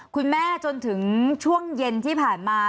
คุณแม่จนถึงช่วงเย็นที่ผ่านมา